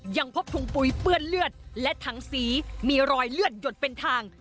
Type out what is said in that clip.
ยังพบถุงปุ๋ยเปื้อนเลือดและถังสีมีรอยเลือดหยดเป็นทาง